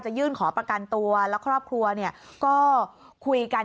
ยื่นขอประกันตัวแล้วครอบครัวเนี่ยก็คุยกัน